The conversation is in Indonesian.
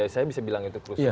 saya bisa bilang itu krusial